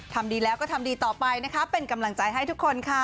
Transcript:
ทำดีแล้วก็ทำดีต่อไปนะคะเป็นกำลังใจให้ทุกคนค่ะ